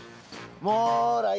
もーらい！